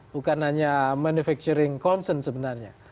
bukan hanya manufacturing concern sebenarnya